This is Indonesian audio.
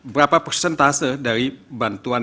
berapa persentase dari bantuan